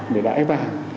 để đải vàng